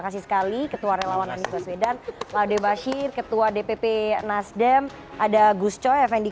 kasih sekali ketuarelawanan niko swedan laude bashir ketua dpp nasdem ada gus choi fn di